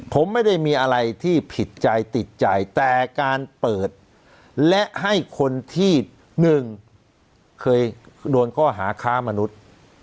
ผมไม่ได้มีอะไรที่ผิดใจติดใจแต่การเปิดและให้คนที่๑เคยโดนข้อหาค้ามนุษย์